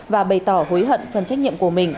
và bày tỏ hối hận phần trách nhiệm của mình